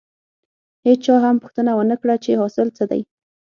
هېچا هم پوښتنه ونه کړه چې حاصل څه دی.